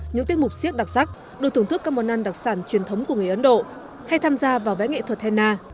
những tiết mục siết đặc sắc được thưởng thức các món ăn đặc sản truyền thống của người ấn độ hay tham gia vào vẽ nghệ thuật henna